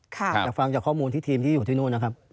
แต่ฟังจากข้อมูลที่ทีมที่อยู่ที่นู่นนะครับ